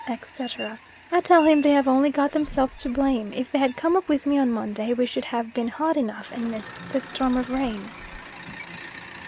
..," etc. I tell him they have only got themselves to blame; if they had come up with me on Monday we should have been hot enough, and missed this storm of rain.